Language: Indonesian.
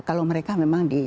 kalau mereka memang di